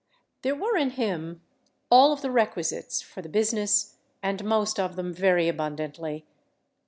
There were in him all of the requisites for the business and most of them very abundantly.